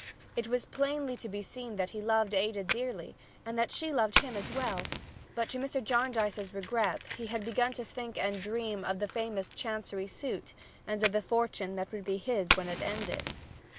It was plainly to be seen that he loved Ada dearly, and that she loved him as well, but to Mr. Jarndyce's regret he had begun to think and dream of the famous chancery suit and of the fortune that would be his when it ended.